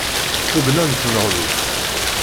Tugna n tneɣruft.